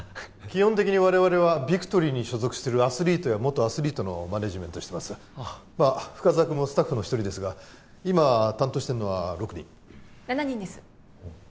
基本的に我々はビクトリーに所属してるアスリートや元アスリートのマネジメントをしてます深沢くんもスタッフの１人ですが今担当してるのは６人７人です